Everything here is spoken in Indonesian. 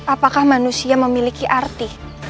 apakah manusia memiliki arti